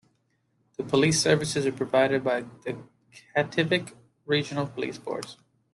The police services are provided by the Kativik Regional Police Force.